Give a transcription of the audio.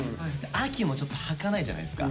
秋もちょっとはかないじゃないですか。